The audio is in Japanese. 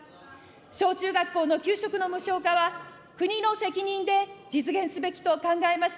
小中学校の給食の無償化は、国の責任で実現すべきと考えます。